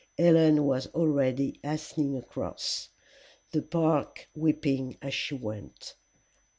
Helen was already hastening across the park, weeping as she went.